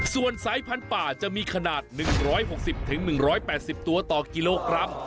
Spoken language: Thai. ส่วนสายผันป่าจะมีขนาดหนึ่งร้อยหกสิบถึงหนึ่งร้อยแปดสิบตัวต่อกิโลกรัม